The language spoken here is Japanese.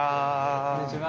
こんにちは。